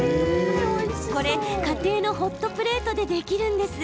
これ、家庭のホットプレートでできるんです。